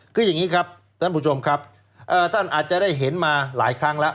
คืออย่างนี้ครับท่านผู้ชมครับท่านอาจจะได้เห็นมาหลายครั้งแล้ว